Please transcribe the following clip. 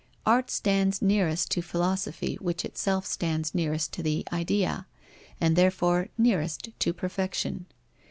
Art stands nearest to philosophy, which itself stands nearest to the Idea, and therefore nearest to perfection.